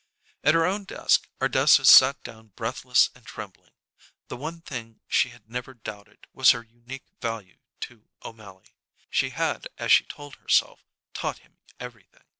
At her own desk Ardessa sat down breathless and trembling. The one thing she had never doubted was her unique value to O'Mally. She had, as she told herself, taught him everything.